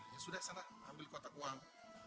ya sudah sana ambil kotak uang